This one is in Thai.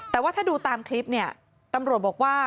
แต่ว่าถ้าดูตามคลิปเนี่ยตำรวจบอกว่า